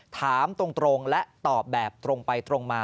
ถามตรงและตอบแบบตรงไปตรงมา